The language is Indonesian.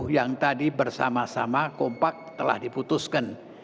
dua ribu dua puluh yang tadi bersama sama kompak telah diputuskan